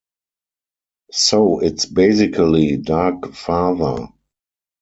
So it's basically Dark Father.